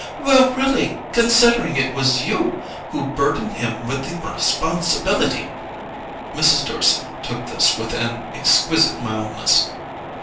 "Well, really—considering it was you who burdened him with the responsibility!" Mrs. Dorset took this with an exquisite mildness.